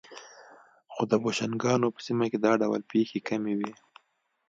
خو د بوشنګانو په سیمه کې دا ډول پېښې کمې وې.